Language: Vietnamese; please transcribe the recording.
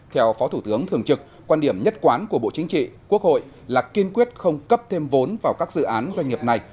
theo phó thủ tướng thường trực quan điểm nhất quán của bộ chính trị quốc hội là kiên quyết không cấp thêm vốn vào các dự án doanh nghiệp này